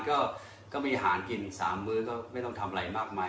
เพราะว่าอยู่รองพยาบาลก็มีอาหารกิน๓มื้อง็ไม่ต้องทำไรมากมาย